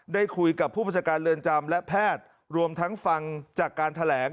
ได้คุยกับผู้บัญชาการเรือนจำและแพทย์รวมทั้งฟังจากการแถลง